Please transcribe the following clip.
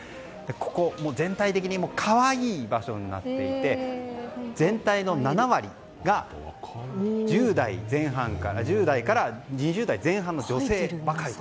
ここ、全体的に可愛い場所になっていて全体の７割が１０代から２０代前半の女性ばかりと。